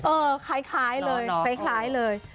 โอ้ค่ะคล้าย